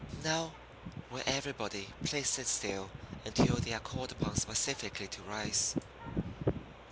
Now, will everybody please sit still until they are called upon specifically to rise?